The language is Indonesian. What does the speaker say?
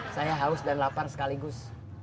saya haus dan lapan sekaligus